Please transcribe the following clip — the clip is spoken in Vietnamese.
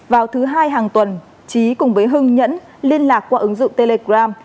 vào thứ hai hàng tuần chí cùng với hưng nhân liên lạc qua ứng dụng telegram